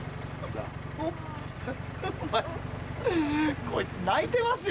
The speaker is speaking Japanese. お前こいつ泣いてますよ